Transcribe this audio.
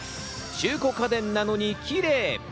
中古家電なのにキレイ！